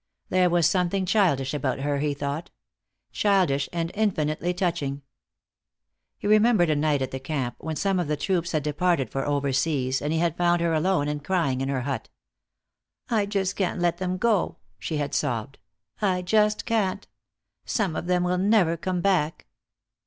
There was something childish about her, he thought. Childish and infinitely touching. He remembered a night at the camp, when some of the troops had departed for over seas, and he had found her alone and crying in her hut. "I just can't let them go," she had sobbed. "I just can't. Some of them will never come back."